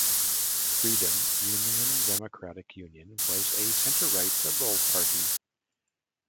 Freedom Union-Democratic Union was a centre-right liberal party.